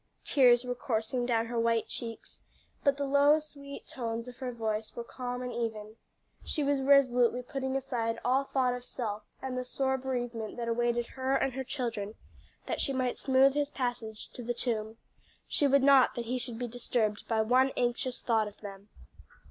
Tears were coursing down her white cheeks, but the low, sweet tones of her voice were calm and even. She was resolutely putting aside all thought of self and the sore bereavement that awaited her and her children, that she might smooth his passage to the tomb; she would not that he should be disturbed by one anxious thought of them.